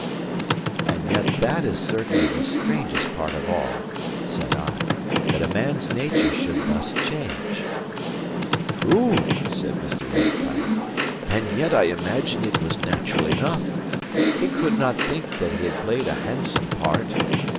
"And yet that is certainly the strangest part of all," said I, "that a man's nature should thus change." "True," said Mr. Rankeillor. "And yet I imagine it was natural enough. He could not think that he had played a handsome part.